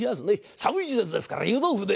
寒い時節ですから湯豆腐で。